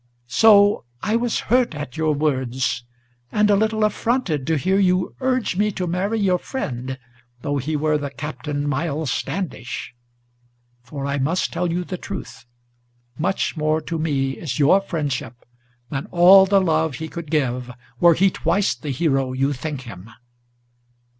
So I was hurt at your words, and a little affronted to hear you Urge me to marry your friend, though he were the Captain Miles Standish. For I must tell you the truth: much more to me is your friendship Than all the love he could give, were he twice the hero you think him."